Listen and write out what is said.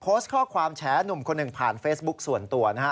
โพสต์ข้อความแฉหนุ่มคนหนึ่งผ่านเฟซบุ๊กส่วนตัวนะฮะ